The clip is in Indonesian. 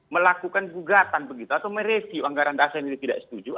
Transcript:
melakukan gugatan begitu atau mereview anggaran dasar yang tidak setuju